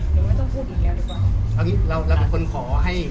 ไม่ต้องพูดอีกแล้วดีกว่าเอางี้เราเราเป็นคนขอให้